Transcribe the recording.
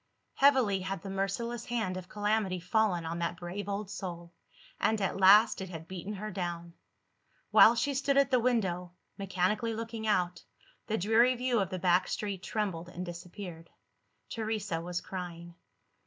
Heavily had the merciless hand of calamity fallen on that brave old soul and, at last, it had beaten her down! While she stood at the window, mechanically looking out, the dreary view of the back street trembled and disappeared. Teresa was crying.